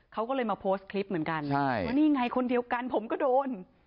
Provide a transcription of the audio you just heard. เขาก็เลยมาโพสต์คลิปเหมือนกันใช่ว่านี่ไงคนเดียวกันผมก็โดน